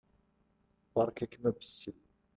Beṛka-kem abessel.